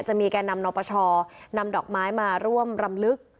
จะมีแก่นำนปชนำดอกไม้มาร่วมรำลึก